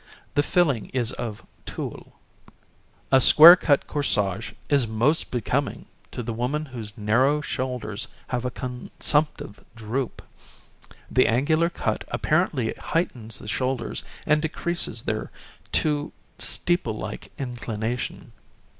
The filling is of tulle. A square cut corsage is most becoming to the woman whose narrow shoulders have a consumptive droop. The angular cut apparently heightens the shoulders and decreases their too steeple like inclination.